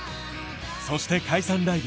そして解散ライブ